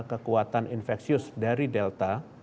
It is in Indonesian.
kekuatan infeksius dari delta